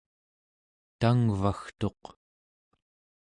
tangvagtuq